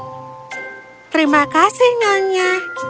terima kasih nyonya